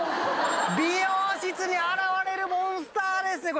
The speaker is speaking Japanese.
美容室に現れるモンスターですねこれ。